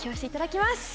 いただきます。